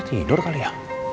masih tidur kali ya